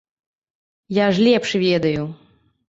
Я ж лепш ведаю!